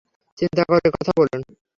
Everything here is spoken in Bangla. চিন্তা করে কথা বলুন।